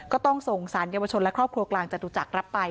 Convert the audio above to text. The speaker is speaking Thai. ก็ต้องส่งสารเยาวชนและครอบครัวกลางจตุจักรรับไป